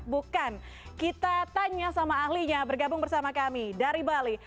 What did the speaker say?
bukan kita tanya sama ahlinya bergabung bersama kami dari bali